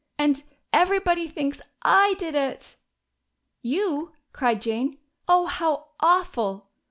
"And everybody thinks I did it!" "You!" cried Jane. "Oh, how awful!"